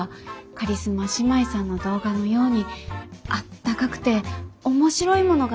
カリスマ姉妹さんの動画のようにあったかくて面白いものが作れたらなと。